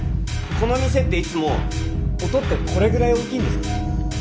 この店っていつも音ってこれぐらい大きいんですか？